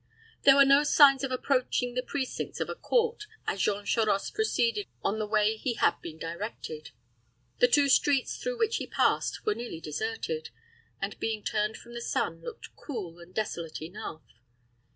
There were no signs of approaching the precincts of a court, as Jean Charost proceeded on the way he had been directed. The two streets through which he passed were nearly deserted, and, being turned from the sun, looked cool and desolate enough.